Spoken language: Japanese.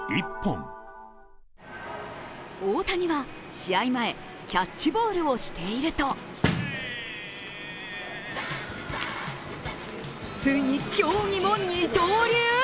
大谷は試合前、キャッチボールをしているとついに競技も二刀流？